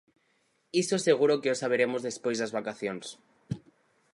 Iso seguro que o saberemos despois das vacacións.